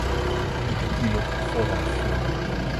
E que aquilo fora a fin.